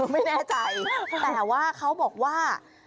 ไม่แน่ใจแต่ว่าเขาบอกว่า